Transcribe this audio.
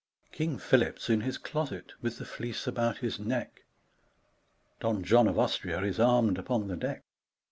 King Philip's in his closet with the Fleece about his neck, (Don John of Austria is armed upon the deck.)